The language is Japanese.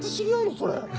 それ。